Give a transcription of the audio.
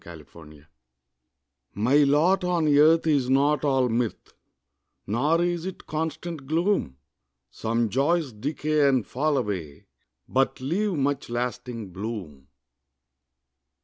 MY LOT My lot on earth is not all mirth, Nor is it constant gloom; Some joys decay and fall away, But leave much lasting bloom.